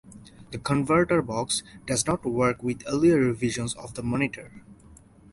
The converter box does not work with earlier revisions of the monitor.